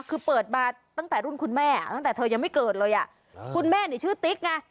คือเปิดมาตั้งแต่รุ่นคุณแม่ตั้งแต่เธอยังไม่เกิดเลยอ่ะคุณแม่นี่ชื่อติ๊กไง